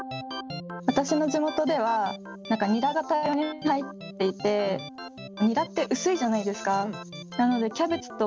私の地元ではニラが大量に入っていてニラって薄いじゃないですか。